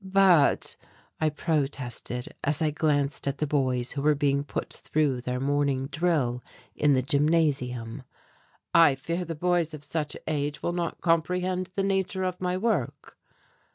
"But," I protested, as I glanced at the boys who were being put through their morning drill in the gymnasium, "I fear the boys of such age will not comprehend the nature of my work."